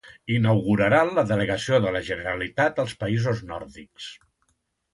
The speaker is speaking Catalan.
Inauguraran la delegació de la Generalitat als països nòrdics.